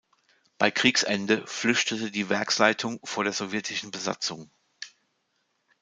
Bei Kriegsende flüchtete die Werksleitung vor der sowjetischen Besatzung.